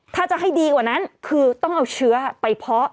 ถ้าจะให้ดีกว่านั้นคือต้องเอาเชื้อไปเพาะ